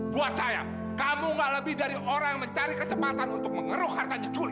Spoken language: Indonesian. buat saya kamu tidak lebih dari orang yang mencari kesempatan untuk mengeruh hartanya juli